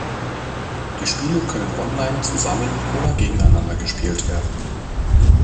Die Spiele können online zusammen oder gegeneinander gespielt werden.